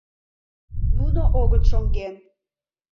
Нуно огыт шоҥгем.